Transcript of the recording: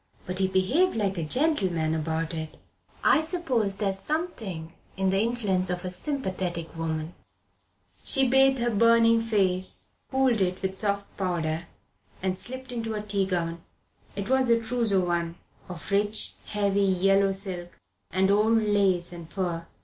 But he behaved like a gentleman about it. I suppose there is something in the influence of a sympathetic woman I am glad I was a good influence." She bathed her burning face, cooled it with soft powder, and slipped into a tea gown. It was a trousseau one of rich, heavy, yellow silk and old lace and fur.